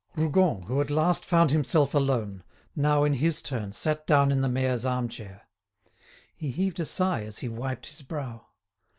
Rougon, who at last found himself alone, now in his turn sat down in the mayor's arm chair. He heaved a sigh as he wiped his brow.